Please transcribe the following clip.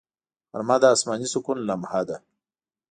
غرمه د آسماني سکون لمحه ده